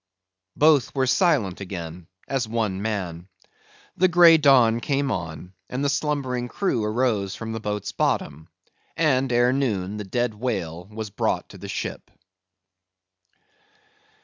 Both were silent again, as one man. The grey dawn came on, and the slumbering crew arose from the boat's bottom, and ere noon the dead whale was brought to the ship.